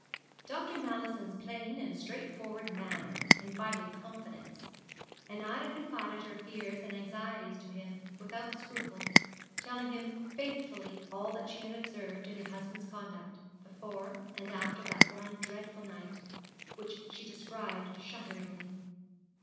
Dr. Mallison's plain and straightforward manner invited confidence, and Ida confided her fears and anxieties to him without scruple, telling him faithfully all that she had observed in her husband's conduct before and after that one dreadful night, which she described shudderingly.